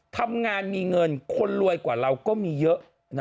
ทำงานมีเงินคนรวยกว่าเราก็มีเยอะ